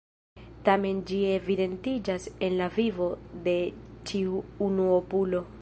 Tamen ĝi evidentiĝas en la vivo de ĉiu unuopulo.